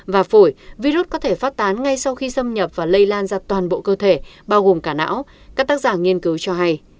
và phổi virus có thể phát tán ngay sau khi xâm nhập và lây lan ra toàn bộ cơ thể bao gồm cả não các tác giả nghiên cứu cho hay